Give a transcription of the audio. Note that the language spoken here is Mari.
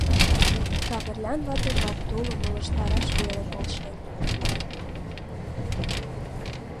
Кавырлян ватыжат тулым ылыжтараш веле полшен: